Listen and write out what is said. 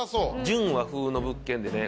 純和風の物件でね